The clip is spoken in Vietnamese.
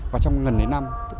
và trong gần đến năm